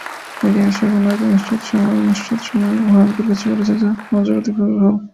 ইতিহাসের কোন এক অনিশ্চিত সময়ে, ভয়ংকর কিছু ঘটেছে, যা মহাজাগতিকভাবে ভুল।